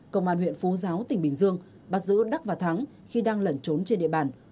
công an huyện phú giáo tỉnh bình dương bắt giữ đắc và thắng khi đang lẩn trốn trên địa bàn